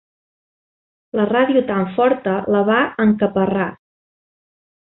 La ràdio tan forta la va encaparrar.